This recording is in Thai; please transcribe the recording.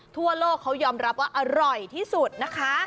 ทั่วโลกเขายอมรับว่าอร่อยที่สุดนะคะ